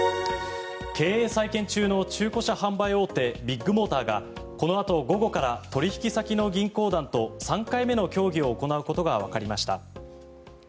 経営再建中の中古車販売大手ビッグモーターがこのあと午後から取引先の銀行団と３回目の協議を行うことがわかりました。